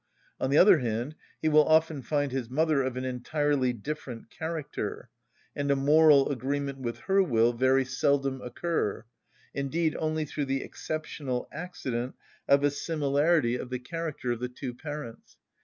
On the other hand, he will often find his mother of an entirely different character, and a moral agreement with her will very seldom occur, indeed only through the exceptional accident of a similarity of the character of the two parents.